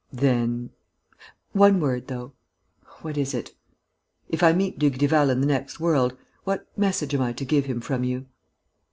"Then...." "One word, though." "What is it?" "If I meet Dugrival in the next world, what message am I to give him from you?"